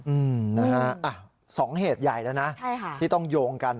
อืมสองเหตุใหญ่แล้วนะที่ต้องโยงกัน